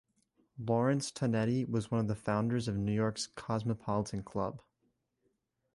Lawrence Tonetti was one of the founders of New York's Cosmopolitan Club.